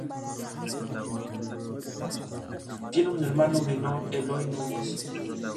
Tiene un hermano menor, Eloi Núñez.